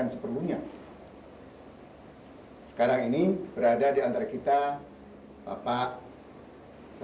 segalanya bisa jelas dan kertas